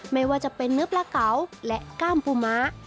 ไม่ว่าจะเป็นนึบละเกาและก้ามปูม้า